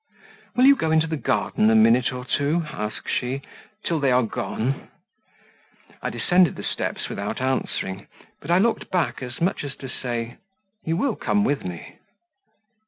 "Will you go into the garden a minute or two," asked she, "till they are gone?" I descended the steps without answering, but I looked back as much as to say "You will come with me?"